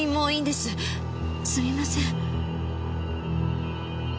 すみません。